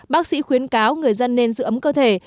bác sĩ khuyến cáo người dân nên giữ ấm cơ thể